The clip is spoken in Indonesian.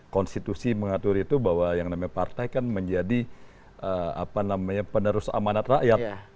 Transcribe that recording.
konstitusi mengatur itu bahwa yang namanya partai kan menjadi penerus amanat rakyat